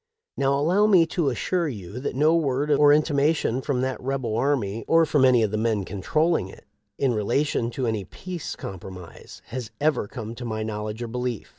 Now allow me to assure you that no word or intimation from that rebel army or from any of the men controlling it, in relation to any peace compromise, has ever come to my knowledge or belief.